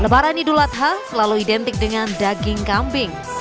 lebaran idul adha selalu identik dengan daging kambing